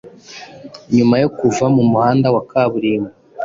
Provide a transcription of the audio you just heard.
Nyuma yo kuva mu muhanda wa kaburimbo